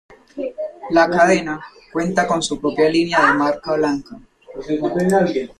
La cadena cuenta con su propia línea de marca blanca.